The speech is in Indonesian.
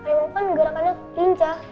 emang kan gerakannya lincah